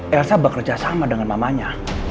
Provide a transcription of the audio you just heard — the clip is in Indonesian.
elsa bekerja sama dengan mamanya